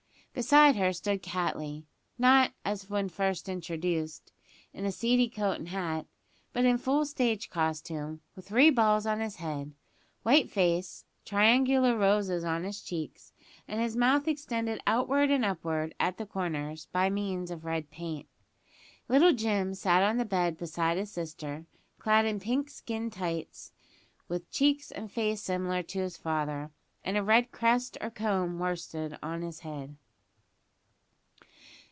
Beside her stood Cattley not, as when first introduced, in a seedy coat and hat; but in full stage costume with three balls on his head, white face, triangular roses on his cheeks, and his mouth extended outward and upward at the corners, by means of red paint. Little Jim sat on the bed beside his sister, clad in pink skin tights, with cheeks and face similar to his father, and a red crest or comb of worsted on his head.